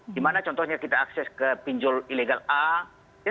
di mana contohnya kita akses ke pinjol ilegal a